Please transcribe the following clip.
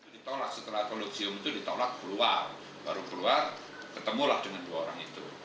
baru keluar ketemulah dengan dua orang itu